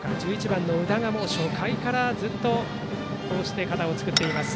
１１番の宇田が初回からずっと肩を作っています。